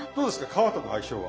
皮との相性は。